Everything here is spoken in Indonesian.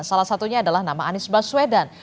salah satunya adalah nama anies baswedan